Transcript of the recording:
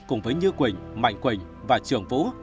cùng với như quỳnh mạnh quỳnh và trường vũ